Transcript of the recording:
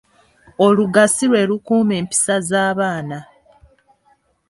Oluga si lwe lukuuma empisa z’abaana.